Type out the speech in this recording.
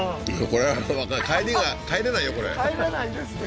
これ帰れないですね